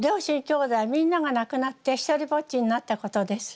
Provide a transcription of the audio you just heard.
きょうだいみんなが亡くなって独りぼっちになったことです。